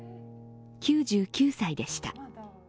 ９９歳でした。